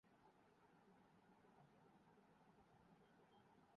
یہ وہ سوال ہے جو امریکہ کی انتظامیہ کو درپیش ہے۔